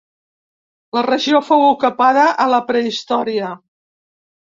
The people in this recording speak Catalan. La regió fou ocupada a la prehistòria.